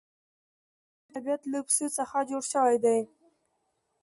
د افغانستان طبیعت له پسه څخه جوړ شوی دی.